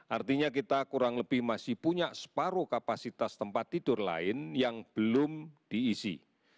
artinya kita kurang lebih masih punya separuh kapasitas tempat tidur lain yang belum diisi